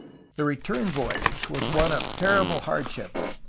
The return voyage was one of terrible hardship.